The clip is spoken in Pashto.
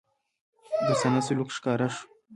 دوستانه سلوک ښکاره شو.